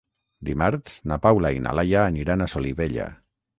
Dimarts na Paula i na Laia aniran a Solivella.